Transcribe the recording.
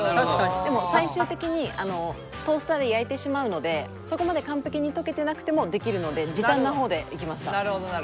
でも最終的にトースターで焼いてしまうのでそこまで完璧に溶けてなくてもできるので時短の方でいきました。